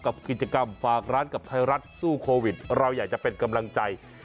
กิจกรรมฝากร้านกับไทยรัฐสู้โควิดเราอยากจะเป็นกำลังใจ